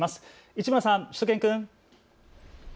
市村さん、しゅと犬くん。